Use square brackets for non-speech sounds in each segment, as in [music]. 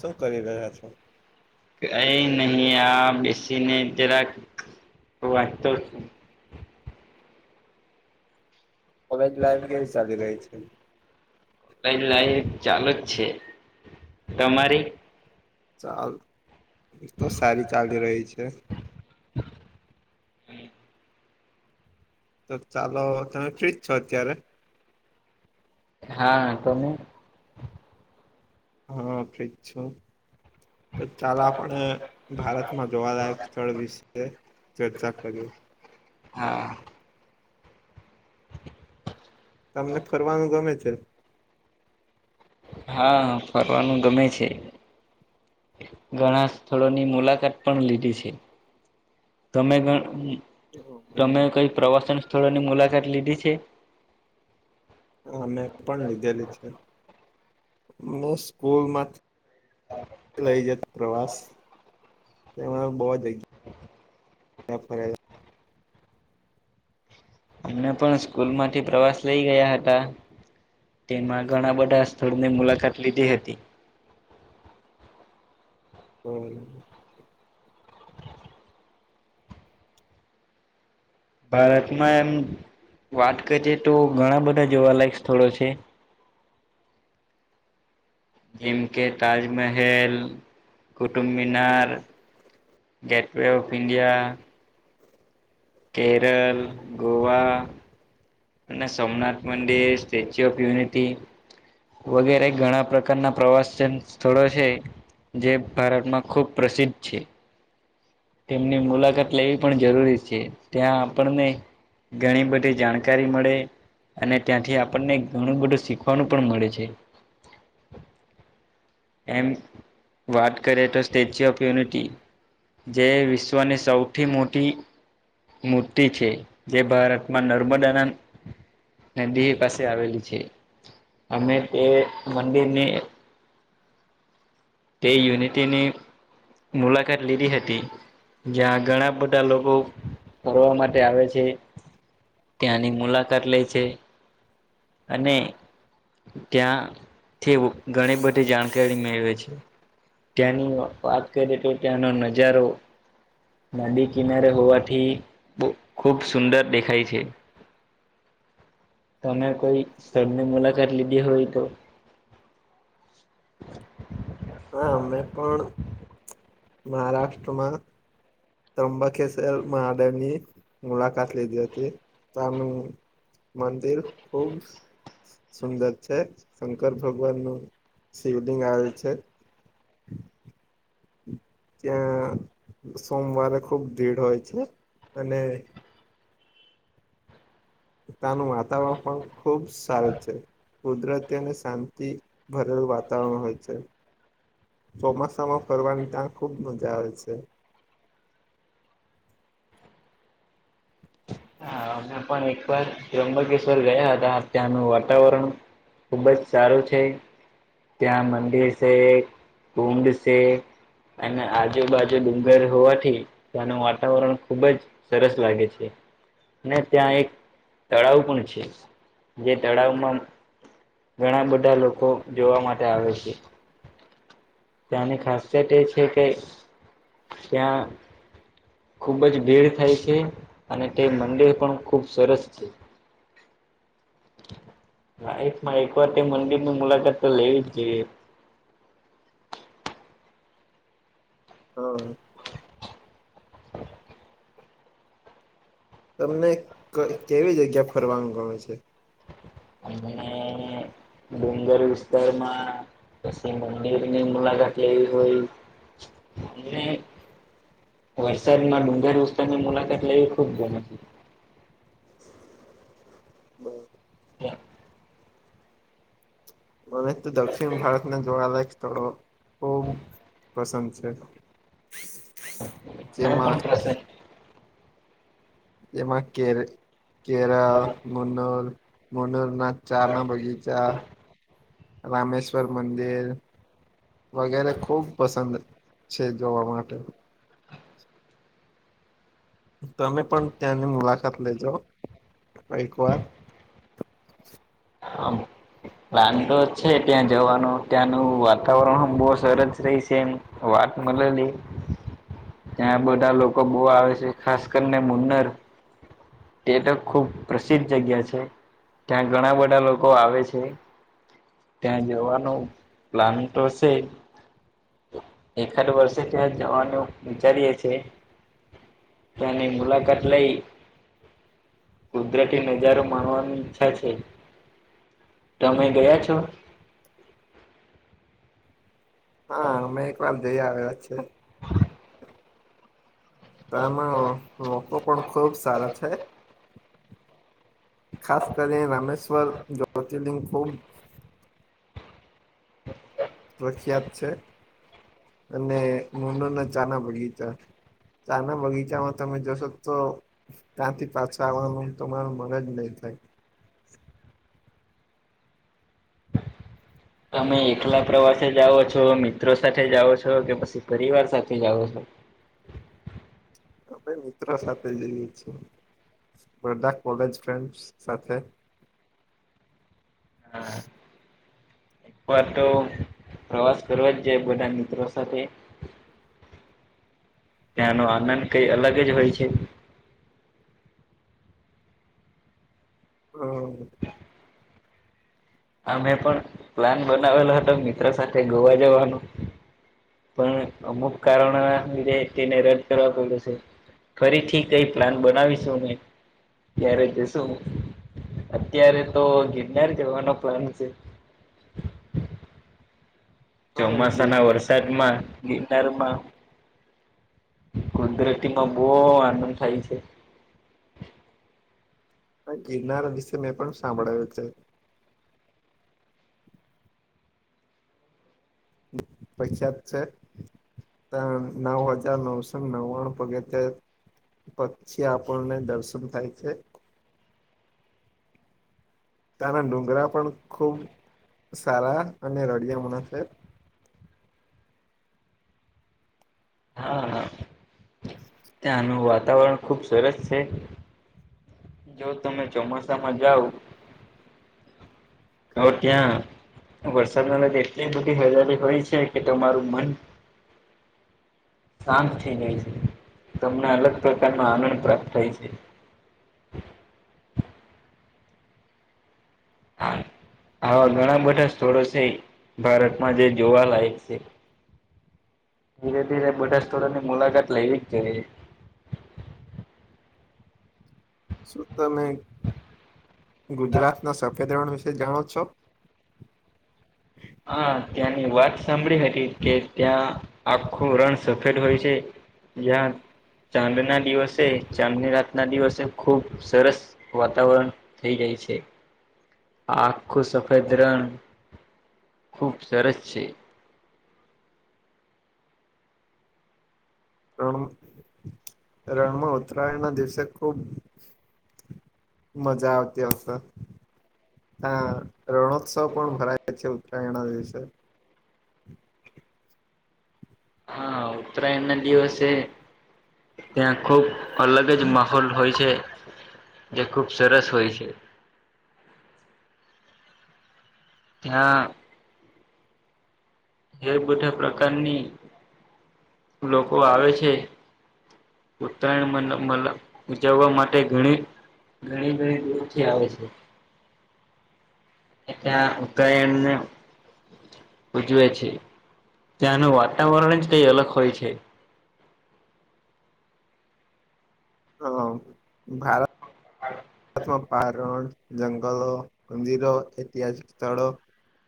શું કરી રહ્યા છો કઈ નહી આ બેસી ને જરાક વાંચ છું કોલેજ લાઈફ કેવી ચાલી રહી છે. [unintelligible] લાઈફ ચાલુ જ છે તમારી ચાલ તો સારી ચાલી રહી છે. તો ચાલો તમે ફ્રીજ છો અત્યારે હા તમે હા ફ્રી જ છું [inaudible] તો ચાલ આપણે ભારતમાં જોવાલાયક સ્થળ વિશે ચર્ચા કરીએ હા તમને ફરવાનું ગમે છે. હા ફરવાનું ગમે છે. ઘણા સ્થળોની મુલાકાત પણ લીધી છે. તમે ગણ તમે કઈ પ્રવાસન સ્થળોની મુલાકાત લીધી છે. હા મેં પણ લીધેલી છે મે સ્કૂલમાંથી લઈ જત પ્રવાસ એમાં બહ જ ફરેલા અમને પણ સ્કૂલમાંથી પ્રવાસ લઇ ગયા હતા તેમાં ઘણા બધા સ્થળની મુલાકાત લીધી હતી બોઉ ભારતમાં એમ વાત કરીએ તો ઘણા બધા જોવાલાયક સ્થળો છે. જેમકે Taj Mahal Qutub Minar gateway of India Kerala Goa અને સોમનાથ મંદિર સ્ટેચ્યુ ઓફ યુનિટી વગેરે ઘણા પ્રકારના પ્રવાસન સ્થળો છે. જે ભારતમાં ખૂબ પ્રસિદ્ધ છે. તેમની મુલાકાત લેવી પણ જરૂરી છે ત્યાં આપણને ઘણી બધી જાણકારી મળે અને ત્યાંથી આપણને ઘણું બધું શીખવાનું પણ મળે છે. એમ વાત કરે તો સ્ટેચ્યુ ઓફ યુનિટી જે વિશ્વની સૌથી મોટી મૂર્તિ છે, જે ભારતમાં નર્મદાના નદી પાસે આવેલી છે, અમે તે મંદિરની તે યુનિટીની મુલાકાત લીધી હતી જ્યાં ઘણા બધા લોકો ફરવા માટે આવે છે, ત્યાંની મુલાકાત લે છે. અને ત્યાં ઘણી બધી જાણકારી મેળવે છે. ત્યાંની વાત કરીએ તો ત્યાંનો નજારો નદી કિનારે હોવાથી ખૂબ સુંદર દેખાય છે. તમે કોઈ સ્થળની મુલાકાત લીધી હોય તો હા અમે પણ મહારાષ્ટ્રમાં ત્રંબાકેસર મહાદેવની મુલાકાત લીધી હતી, તમે મંદિર ખુબ સુંદર છે, શંકર ભગવાનનું શિવલિંગ આવેલ છે. [inaudible] ત્યા સોમવારે ખુબ ભિડ હોય છે. અને ત્યાનું વાતાવરણ પણ ખુબ સારું છે. કુદરતી અને સાંતિથી ભરેલું વાતાવરણ હોય છે. ચોમાસામાં ફરવાની ત્યાં ખુબ મજા આવે છે. હા અમે પણ એકવાર ત્રંબકેશ્વર ગયા હતા, ત્યાંનું વાતાવરણ ખુબ જ સારું છે. ત્યાં મંદિર છે, કુંડ છે, અને આજુબાજુ ડુંગર હોવાથી ત્યાનું વાતાવરણ ખુબ જ સરસ લાગે છે. ને ત્યાં એક તળાવ પણ છે, જે તળાવમાં ઘણા બઢા લોકો જોવા માટે આવે છે. ત્યાંની ખાસિયત એ છે કે, ત્યાં ખૂબ જ ભીડ થાય છે અને તે મંદિર પણ ખૂબ સરસ છે. [inaudible] લાઈફમાં એક વાર તે મંદિરની મુલાકાત તો લેવી જ જોઈએ. [inaudible] હા તમને ક કેવી જગ્યા ફરવાનું ગમે છે? સુંદર વિસ્તારમાં, પછી મંદિરની મુલાકાત લેવી હોય, અને વરસાદમાં ડુંગર વિસ્તારની મુલાકાત લેવી ખુબ ગમે વા મને તો દક્ષિણ ભારતને જોવા લાયક સ્થળો, ખુબ પસંદ છે તો મે પણ પ્રસન એમાં કેર, કેરાવ, મુનુર, મુનુરના ચારણા, બગીચા, રામેશ્વર મંદિર વગેરે ખુબ પસંદ છે. જોવા માટે તમે પણ ત્યાંની મુલાકાત લેજો, એક વાર હમ્મ પ્લાન તો છે ત્યાં જવાનું, ત્યાંનું વાતાવરણ હ બહુ સરસ રહી છે એમ આટલું મલે નહીં ત્યાં બધા લોકો બહુ આવે છે, ખાસ કરીને મુન્નર તે તો ખુબ પ્રસિદ્ધ જગ્યા છે, ત્યાં ઘણા બઢા લોકો આવે છે. ત્યાં જવાનું પ્લાન તો હસે. એકાદ વરસે ત્યાં જવાનું વિચારીએ છીએ. તેની મુલાકાત લઈ કુદરતી નજારો માણવાની ઈચ્છા છે. તમે ગયા છો? હા અમે એક વાર જઈ આવ્યા છે. તો એમાં મોકો પણ ખુબ સારા છે. ખાસ કરી રામેશ્વર જ્યોતિર્લિંગ ખૂબ પ્રખ્યાત છે, અને નૂનોના ચા ના બગીચા ચાના બગીચામાં તમે જશો તો ત્યાંથી પાછા આવવાનું તમારૂં મન જ નહીં થા થાય તમે એકલા પ્રવાસે જાઓ છો, મિત્રો સાથે જાઓ છો, કે પસી પરિવાર સાથે જાઓ છો? [inaudible] અમે ઉતરા સાથે જઈએ છીએ. બધા, કોલેજ ફ્રેન્ડસ સાથે હા એક વાર તો પ્રવાસ કરવા, જ જાય બધા મિત્રો સાથે ત્યાંનો આનંદ કઈ, અલગ જ હોય છે. હા હ [inaudible] આ, મેં પણ પ્લાન બનાવેલો હતો, મિત્ર સાથે ગોવા જવાનુ પણ અમુક કારણો, લીધે તેને રદ કરવા પડ્યું છે. ફરી ઠીક, કંઈ પ્લાન બનાવીશું ને ત્યારે જશું અત્યારે, તો ગિરનાર જવાનો ફરી છે. ચોમાસાના, વરસાદમાં ગિરનારમા કુદરતીમાં બહુ, આનંદ થાય છે. ગિરનાર, વિશે મેં પણ સાંભળાયું છે. પશ્ચાત છે. ત્રણ નવ હજાર નવસો નવાણું પગથિયા તે પછી આપણને દર્શન થાય છે. તારા ડુંગરા પણ ખુબ સારા અને રડિયામણા છે. હા, હા ત્યાંનું વાતાવરણ ખુબ સરસ છે. જો તમે ચોમાસામાં જાવ. હવ ત્યા વરસાદ‌ અને રેતી, તુટી પડી હજારી કે તમારું મન. શાંત થઈ જાય છે. તમને અલગ પ્રકારનો, આનંદ પ્રાપ્ત થાય છે. હા. આવા ઘણા બધા સ્થળો છે, ભારતમાં જે જોવાલાયક છે. ધીરે -ધીરે બધા સ્થળોની મુલાકાત લેવી જ જોઇએ. શું તમે ગુજરાત ના સફેદ, રણ વિશે. તે જાણો છો. હા અત્યાર ની વાત સાંભળી એટલે ત્યાં આખું રણ સફેદ હોય છે. ક્યાંક. ચાંદ ના દિવસે ચાંદની રાતના, દિવસે ખુબ સરસ વાતાવરણ થઈ જાય આ આખું સફેદરણ ખૂબ સરસ છે. રણ રણમાં ઉતરાયણના દિવસે ખુબ મજા આવતી હશે, હા રણોત્સવ પણ ભરાય છે, ઉત્તરાયણ ના દિવસે. હા, ઉત્તરાયણ ના દિવસે ત્યાં ખુબ અલગ જ માહોલ હોય છે. જે ખુબ સરસ હોય છે. હા એ બધા પ્રકારની લોકો આવે છે. ઉત્તરાયણ મન મલ ઉજવવા માટે ઘણી ઘણી ઘણી દૂરથી આવે છે. એ ત્યાં ઉત્તરાયણને જુએ છે, ત્યાંનુ વાતાવરણ જ ક‌ઇ અલગ હોય છે. હલો ભારત શું આ પારણ જંગલો મંદિરો ઐતિહાસિક સ્થળો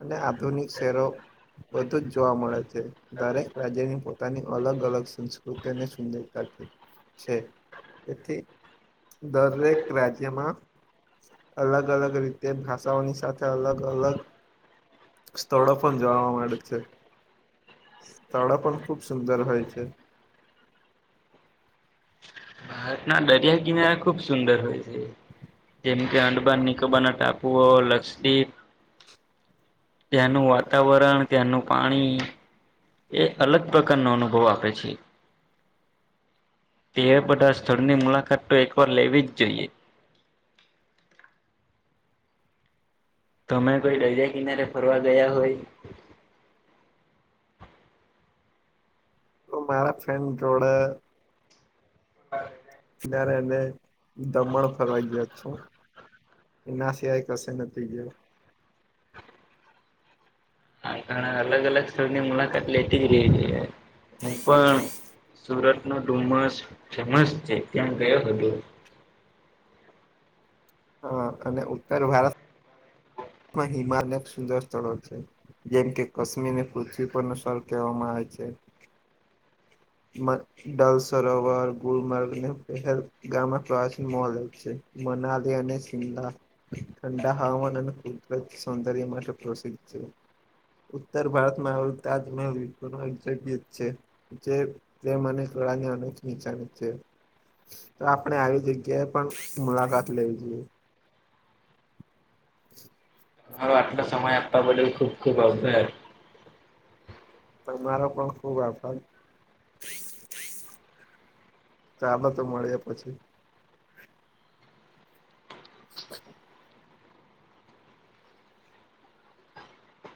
અને આ તની શેરો બધું જ જોવા મળે છે દરેક રાજ્યની પોતાની અલગ અલગ સંસ્કૃતિ અને સુંદરતા છે. છે તેથી દરેક રાજ્યમાં અલગ અલગ રીતે ભાષાઓની સાથે અલગ અલગ સ્થળો પણ જોવા મળે છે. સ્થળો પણ ખૂબ સુંદર હોય છે. [inaudible] ના દરિયા કિનારે ખુબ સુંદર હોય છે. જેમ કે અંડબા નિકોબાના ટાપુઓ, લક્ષ્પદીપ ત્યાંનું વાતાવરણ ત્યાંનું પાણી એ અલગ પ્રકારનો અનુભવ આપે છે. તે બધા સ્થળની મુલાકાત તો એકવાર લેવી જ જોઈએ. તમે કોઈ ડરિયા કિનારે ફરવા ગયા હોય? હું મારા ફ્રેન્ડ જોડે [unintelligible] ત્યારે અમે દમણ ફરવા ગ્યા છો. એના સિવાય કશું નથી ગ્યો. આમ ઘણા અલગ અલગ સ્થળની મુલાકાત લેતી જ રેવી જોઇએ. હું પણ સુરત નો ડુમસ ફેમસ છે તેમ ગયો હતો. હા અને ઉત્તર ભારત [unintelligible] માં હિમાલય સુંદર સ્થળો છે જેમ કે કાશ્મીર ને પૃથ્વી પરનુ સર કહેવામાં આવે છે. [inaudible] મ ડલ સરોવર ગુલમર્ગ અને [unintelligible] ગામમાં પ્રવાચીન મોડલ છે. મનાલી અને સિમલા ઠંડા હવામાન અને કુદરત સૌંદર્ય માટે પ્રસિદ્ધ છે ઉત્તર ભારતમાં આવું તાજમહેલ [unintelligible] જગત છે જે પ્રેમ અને કળાની અનેક નિચાની છે. તો આપણે આવી જગ્યાએ પણ મુલાકાત લેવી જોઈએ. [inaudible] હવે આટલો સમય આપવા બદલ ખુબ ખુબ આભાર. તમારો પણ ખુબ આભાર. ચાલો તો મળીયે પછી.